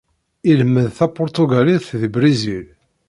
Ilemmed tapuṛtugalit deg Brizil.